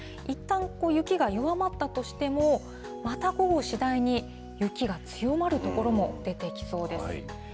いったん雪が弱まったとしても、また午後、次第に雪が強まる所も出てきそうです。